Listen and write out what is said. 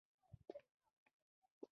سم او پرځای وای.